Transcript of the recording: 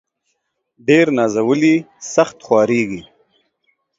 ډير نازولي ، سخت خوارېږي.